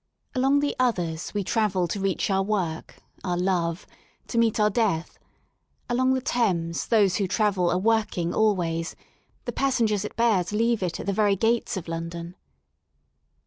Along the others we travel to reach our work, our love, to meet our death. Along the Thames those who travel are working always, the passengers it bears leave it at the very gates of London.